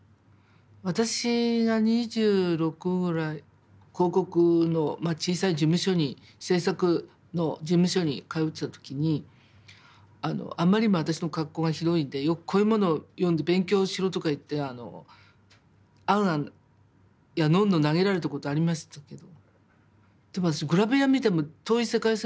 私が２６ぐらい広告の小さい事務所に制作の事務所に通ってた時にあまりにも私の格好がひどいんでよくこういうものを読んで勉強しろとかいって「ａｎ・ａｎ」や「ｎｏｎ−ｎｏ」投げられたことありましたけど。